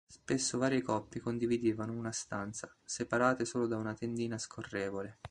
Spesso varie coppie condividevano una stanza, separate solo da una tendina scorrevole.